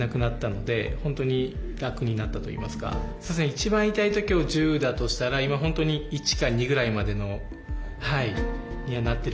一番痛いときを１０だとしたら今本当に１か２ぐらいまでにはなってるかなと思います。